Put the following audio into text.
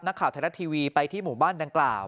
ข่าวไทยรัฐทีวีไปที่หมู่บ้านดังกล่าว